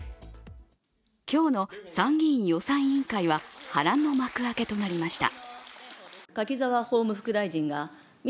今日の参議院予算委員会は波乱の幕開けとなりました。